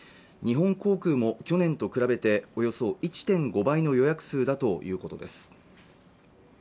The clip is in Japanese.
日本航空も去年と比べておよそ１．５倍の予約数だということです